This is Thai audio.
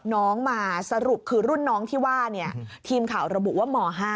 น้องมาสรุปคือรุ่นน้องที่ว่าทีมข่าวระบุว่าม๕